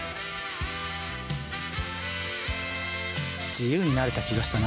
自由になれた気がしたな。